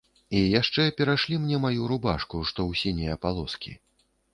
І яшчэ перашлі мне маю рубашку, што ў сінія палоскі.